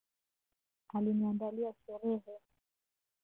Aliniandalia sherehe!